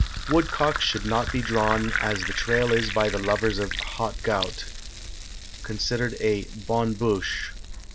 Woodcocks should not be drawn, as the trail is by the lovers of "haut gout" considered a "bonne bouche."